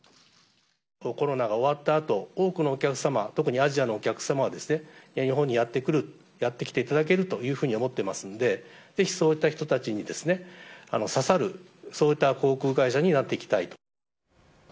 コロナが終わったあと、多くのお客様、特にアジアのお客様が日本にやって来る、やって来ていただけるというふうに思ってますんで、ぜひそういった人たちにささる、そういった航空会社になっていきたいと。